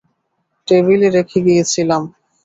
টেবিলে রেখে গিয়েছিলাম।